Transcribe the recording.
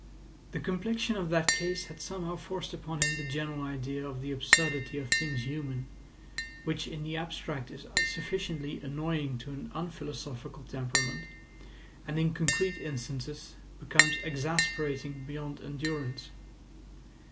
The complexion of that case had somehow forced upon him the general idea of the absurdity of things human, which in the abstract is sufficiently annoying to an unphilosophical temperament, and in concrete instances becomes exasperating beyond endurance.